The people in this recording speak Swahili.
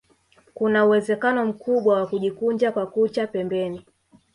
Kuna uwezekano mkubwa wa kujikunja kwa kucha pembeni